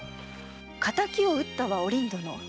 敵を討ったはおりん殿。